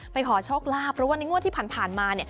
ขอโชคลาภเพราะว่าในงวดที่ผ่านมา